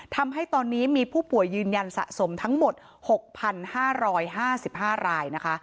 ทำให้ตอนนี้มีผู้ป่วยยืนยันสะสมทั้งหมด๖๕๕รายนะคะ